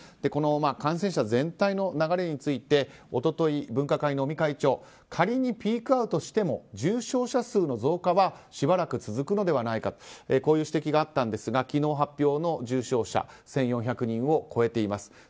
この感染者全体の流れについて一昨日、分科会の尾身会長仮にピークアウトしても重症者数の増加はしばらく続くのではないかという指摘があったんですが昨日発表の重症者１４００人を超えています。